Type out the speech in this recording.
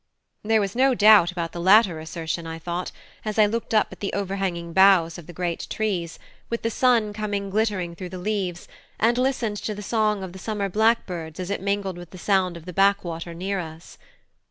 There was no doubt about the latter assertion, I thought, as I looked up at the overhanging boughs of the great trees, with the sun coming glittering through the leaves, and listened to the song of the summer blackbirds as it mingled with the sound of the backwater near us.